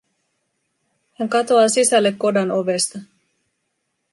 Hän katoaa sisälle kodan ovesta.